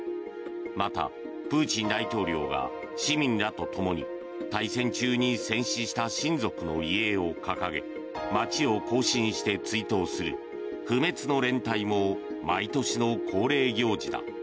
また、プーチン大統領が市民らとともに大戦中に戦死した親族の遺影を掲げ街を行進して追悼する不滅の連隊も毎年の恒例行事だ。